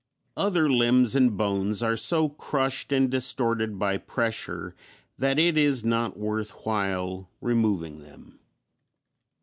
Other limbs and bones are so crushed and distorted by pressure that it is not worth while removing them.